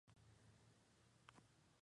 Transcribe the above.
Tres semicírculos siendo el central el mayor.